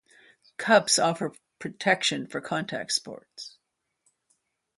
Cups offer protection for contact sports.